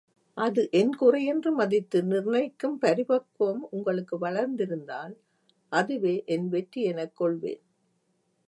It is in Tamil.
அது என் குறையென்று மதித்து நிர்ணயிக்கும் பரிபக்குவம் உங்களுக்கு வளர்ந்திருந்தால், அதுவே என் வெற்றியெனக் கொள்வேன்.